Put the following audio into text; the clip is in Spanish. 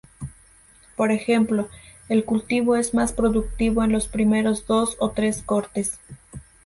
Por ejemplo, "el cultivo es más productivo en los primeros dos o tres cortes".